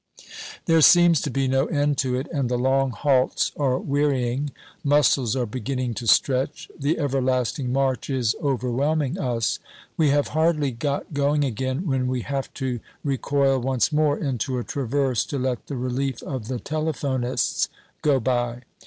There seems to be no end to it, and the long halts are wearying. Muscles are beginning to stretch. The everlasting march is overwhelming us. We have hardly got going again when we have to recoil once more into a traverse to let the relief of the telephonists go by.